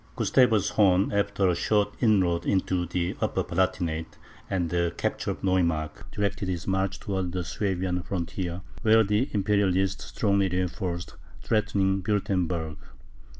Gustavus Horn, after a short inroad into the Upper Palatinate, and the capture of Neumark, directed his march towards the Swabian frontier, where the Imperialists, strongly reinforced, threatened Wuertemberg.